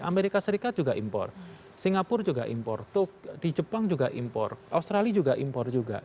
amerika serikat juga impor singapura juga impor tuk di jepang juga impor australia juga impor juga